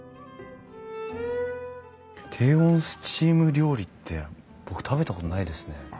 低温スチーム料理って僕食べたことないですね。